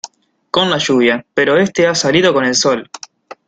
con la lluvia, pero este ha salido con el sol